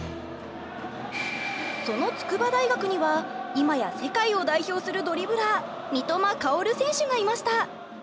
その筑波大学には今や世界を代表するドリブラー三笘薫選手がいました。